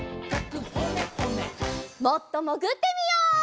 もっともぐってみよう！